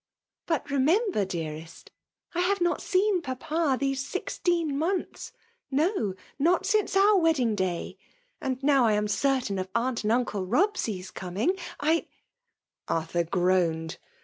But remember, dearest, I have not seen papa^ these sixteen months ; no I not since our wed* ding'day ; and now I am certain of aunt and uncle Bobsey's coming,' — I —" Arthur groaned.